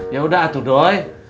yaudah atu doi